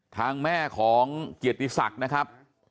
ทางแม่ของเกียรติศักดิ์นะครับ